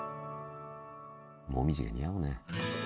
紅葉が似合うね。